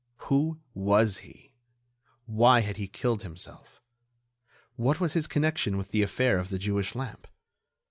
Who was he? Why had he killed himself? What was his connection with the affair of the Jewish lamp?